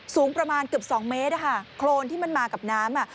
สูงประมาณเกือบ๒เมตรโครนที่มันมากับน้ำอ่ะ